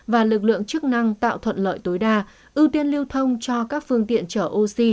và lực lượng chức năng tạo thuận lợi tối đa ưu tiên lưu thông cho các phương tiện chở oxy